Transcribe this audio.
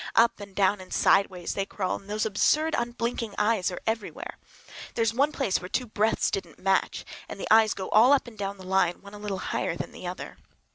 Up and down and sideways they crawl, and those absurd, unblinking eyes are everywhere. There is one place where two breadths didn't match, and the eyes go all up and down the line, one a little higher than the other.